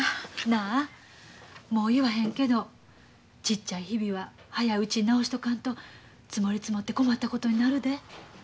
なあもう言わへんけどちっちゃいヒビは早いうちに直しとかんと積もり積もって困ったことになるで。